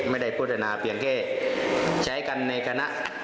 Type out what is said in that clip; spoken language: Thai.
ไม่ได้พูดทลาเช่นแค่ใช้กันในคณะ